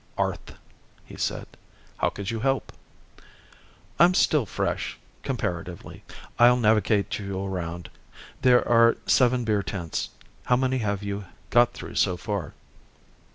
"Arth," he said. "How could you help?" "I'm still fresh comparatively. I'll navigate you around. There are seven beer tents. How many have you got through, so far?"